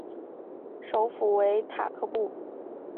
首府为塔布克。